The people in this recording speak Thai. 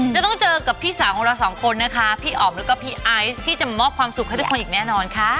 จะต้องเจอกับพี่สาวของเราสองคนนะคะพี่อ๋อมแล้วก็พี่ไอซ์ที่จะมอบความสุขให้ทุกคนอีกแน่นอนค่ะ